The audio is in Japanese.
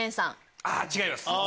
違います。